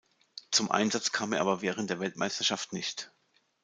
Zum Einsatz kam er aber während der Weltmeisterschaft nicht.